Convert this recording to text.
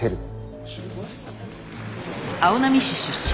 青波市出身。